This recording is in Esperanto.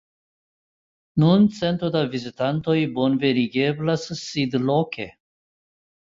Nun cento da vizitantoj bonvenigeblas sidloke.